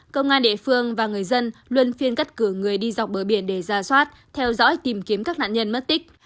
công an địa phương và người dân luôn phiên cắt cử người đi dọc bờ biển để ra soát theo dõi tìm kiếm các nạn nhân mất tích